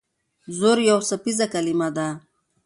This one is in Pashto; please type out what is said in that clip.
زور یو څپیزه کلمه ده.